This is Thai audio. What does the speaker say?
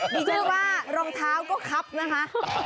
ดีจริงว่ารองเท้าก็ครับนะคะ